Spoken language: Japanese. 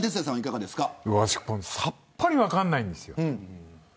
さっぱり分からないんです。